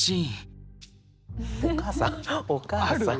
お母さんお母さん。